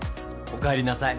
おかえりなさい。